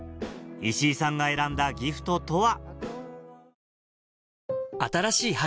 石井さんが選んだギフトとは？